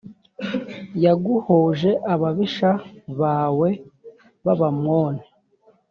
yaguhoje ababisha bawe b abamoni